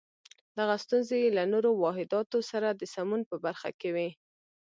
دغه ستونزې یې له نورو واحداتو سره د سمون په برخه کې وې.